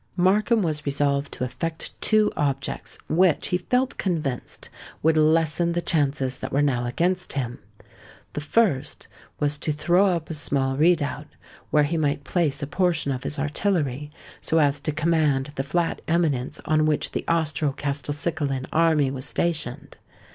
Markham was resolved to effect two objects, which, he felt convinced, would lessen the chances that were now against him. The first was to throw up a small redoubt, where he might place a portion of his artillery, so as to command the flat eminence on which the Austro Castelcicalan army was stationed.